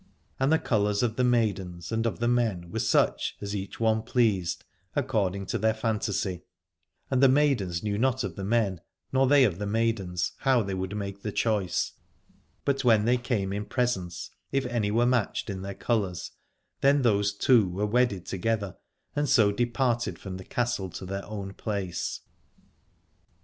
And the colours of the maidens and of the men were such as each one pleased, according to their fantasy: and 133 Aladore the maidens knew not of the men, nor they of the maidens, how they would make choice : but when they came in presence, if any were matched in their colours then those two were wedded together and so departed from the castle to their own place.